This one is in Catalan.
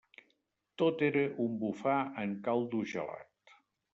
Tot era un bufar en caldo gelat.